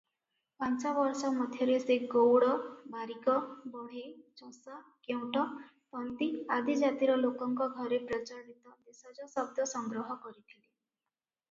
ପାଞ୍ଚ ବର୍ଷ ମଧ୍ୟରେ ସେ ଗଉଡ଼, ବାରିକ, ବଢ଼େଇ, ଚଷା, କେଉଟ, ତନ୍ତୀ ଆଦି ଜାତିର ଲୋକଙ୍କ ଘରେ ପ୍ରଚଳିତ ଦେଶଜ ଶବ୍ଦ ସଂଗ୍ରହ କରିଥିଲେ ।